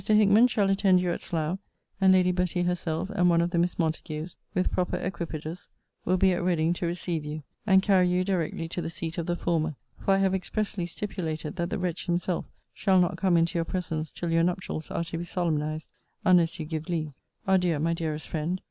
Hickman shall attend you at Slough; and Lady Betty herself, and one of the Miss Montagues, with proper equipages, will be at Reading to receive you; and carry you directly to the seat of the former: for I have expressly stipulated, that the wretch himself shall not come into your presence till your nuptials are to be solemnized, unless you give leave. Adieu, my dearest friend.